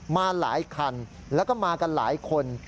มาหลายคันแล้วก็มากันหลายคน